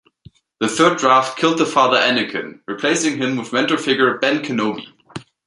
The third draft killed the father Annikin, replacing him with mentor figure Ben Kenobi.